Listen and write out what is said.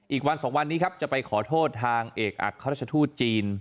อีกวัน๒วันนี้ครับจะไปขอโทษทางเอกอัครราชทูตจีน